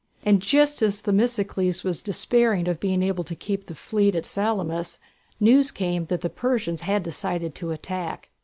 And, just as Themistocles was despairing of being able to keep the fleet at Salamis, news came that the Persians had decided to attack.